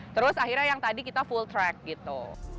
terus akhirnya yang tadi kita full track gitu